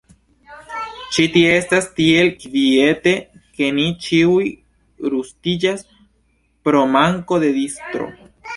Ĉi tie estas tiel kviete ke ni ĉiuj rustiĝas pro manko de distro.